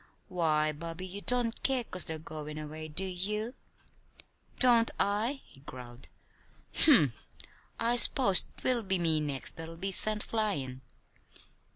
"Why, Bobby, you don't care 'cause they're goin' away; do you?" "Don't I?" he growled. "Humph! I s'pose 'twill be me next that'll be sent flyin'."